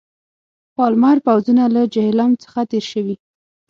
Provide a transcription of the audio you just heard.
پالمر پوځونه له جیهلم څخه تېر شوي.